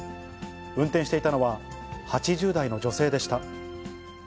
運転していたのは、８０代の女性でした。